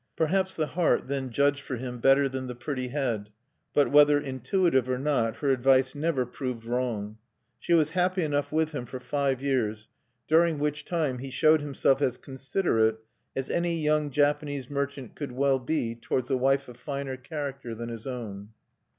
Perhaps the heart then judged for him better than the pretty head; but, whether intuitive or not, her advice never proved wrong. She was happy enough with him for five years, during which time he showed himself as considerate as any young Japanese merchant could well be towards a wife of finer character than his own.